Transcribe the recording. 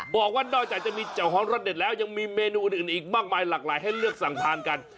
บอกว่านอกจากจะมีเจ้าของรสเด็ดแล้วยังมีเมนูอื่นอีกมากมายหลากหลายให้เลือกสั่งทานกัน